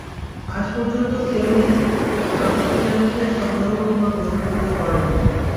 আজ পর্যন্ত কেউই কার্তিকেয়ানকে সন্দেহ কিংবা প্রশ্নবিদ্ধ করেনি।